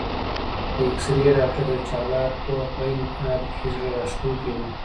د اېکسرې ډاکټر یو چالاک، پوه او په عین حال کې زړه راښکونکی و.